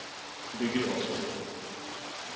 できればそうしたいと思っている。